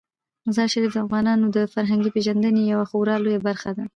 مزارشریف د افغانانو د فرهنګي پیژندنې یوه خورا لویه برخه ده.